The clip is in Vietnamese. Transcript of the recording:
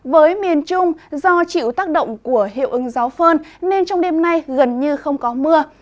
với miền trung do chịu tác động của hiệu ứng gió phơn nên trong đêm nay gần như không có mưa